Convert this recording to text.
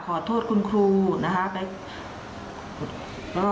ขอโทษคุณครูนะคะ